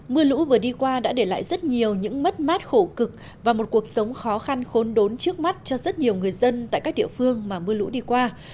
mưa lũ vừa đi qua đã để lại rất nhiều những mất mát khổ cực và một cuộc sống khó khăn khốn đốn trước mắt cho rất nhiều người dân tại các địa phương mà mưa lũ đi qua